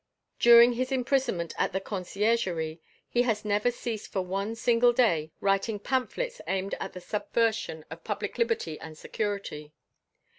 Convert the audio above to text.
During his imprisonment at the Conciergerie he has never ceased for one single day writing pamphlets aimed at the subversion of public liberty and security.